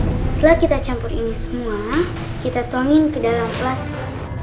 sepuluh seratus ml setelah kita campur ini semua kita tuangin ke dalam plastik